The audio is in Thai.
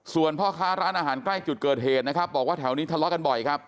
ส่วนพ่อค้าร้านอาหารใกล้จุดเกิดเหตุนะครับบอกว่าแถวนี้ทะเลาะกันบ่อยครับ